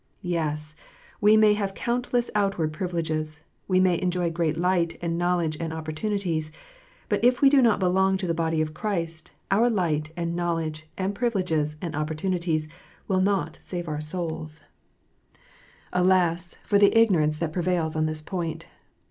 Yes! we may have countless outward privileges we may enjoy great light and knowledge and opportunities but if we do not belong to the body of Christ, our light, and know ledge, and privileges, and opportunities, will not save our souls 220 KNOTS UNTIED. Alas, for the ignorance that prevails on this point